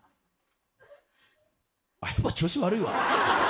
やっぱ調子悪いわ。